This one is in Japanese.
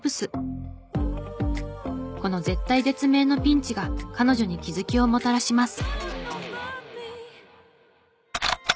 この絶対絶命のピンチが彼女に気づきをもたらします。